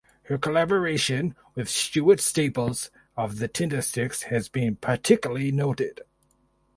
Her collaboration with Stuart Staples of the Tindersticks has been particularly noted.